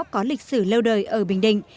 có lịch sử lâu đời ở bình định